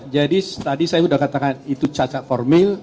jadi tadi saya sudah katakan itu cacat formil